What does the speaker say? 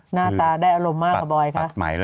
หน้าตาได้อารมณ์มากค่ะบอยคะ